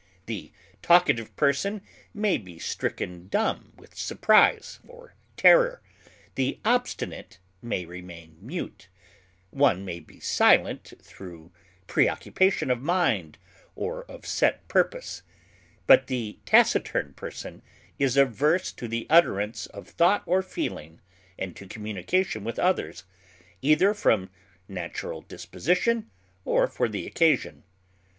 The talkative person may be stricken dumb with surprise or terror; the obstinate may remain mute; one may be silent through preoccupation of mind or of set purpose; but the taciturn person is averse to the utterance of thought or feeling and to communication with others, either from natural disposition or for the occasion.